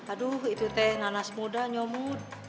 aduh itu teh nanas muda nyomut